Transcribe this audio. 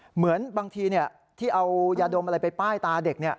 เหมือนบางทีที่เอายาดมอะไรไปป้ายตาเด็ก